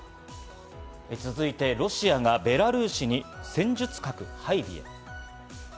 続いてロシアがベラルーシに戦術核配備へ。